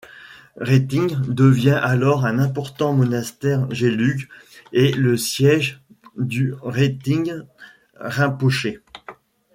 Réting devient alors un important monastère Gelug et le siège du Réting Rinpoché.